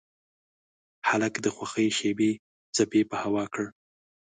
هلک د خوښۍ خوږې څپې په هوا کړ.